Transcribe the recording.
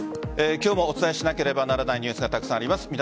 今日もお伝えしなければならないニュースがたくさんあります。